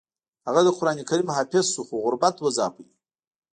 هغه د قران کریم حافظ شو خو غربت وځاپه